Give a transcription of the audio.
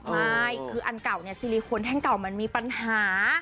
ไม่คืออันเก่าเนี่ยซิลิโคนแท่งเก่ามันมีปัญหา